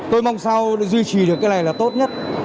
tôi mong sao duy trì được cái này là tốt nhất